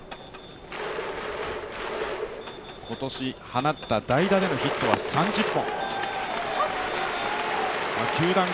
今年放った代打でのヒットは３０本。